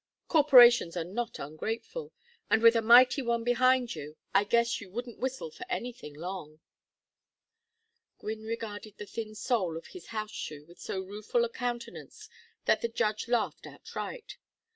Corporations are not ungrateful, and with a mighty one behind you, I guess you wouldn't whistle for anything, long." Gwynne regarded the thin sole of his house shoe with so rueful a countenance that the judge laughed outright.